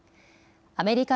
アメリカ